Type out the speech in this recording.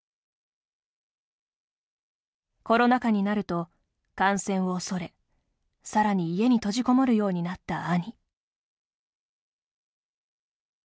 コロナ禍になると感染を恐れさらに家に閉じこもるようになった兄。